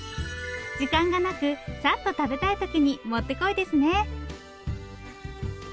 時間がなくさっと食べたい時にもってこいですね。